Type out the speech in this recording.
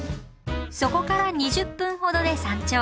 そこから２０分ほどで山頂。